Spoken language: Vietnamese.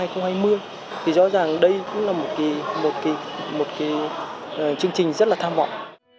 thì rõ ràng đây cũng là một cái chương trình rất là tham vọng